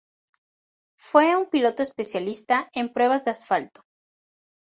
Fue un piloto especialista en pruebas de asfalto.